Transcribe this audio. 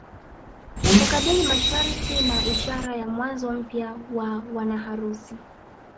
Kukabili masharti na ishara ya mwanzo mpya wa wanaharusi